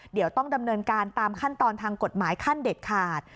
เดี๋ยวต้องดำเนินการตามขั้นตอนทางกฎหมายขั้นเด็ดขาด